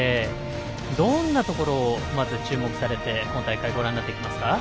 どんなところをまず注目されて今大会、ご覧になっていますか。